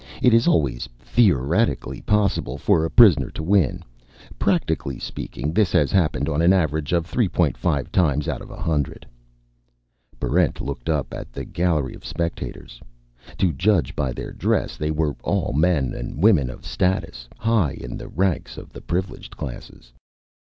It is always theoretically possible for a prisoner to win. Practically speaking, this has happened on an average of 3.5 times out of a hundred." Barrent looked up at the gallery of spectators. To judge by their dress, they were all men and women of status; high in the ranks of the Privileged Classes.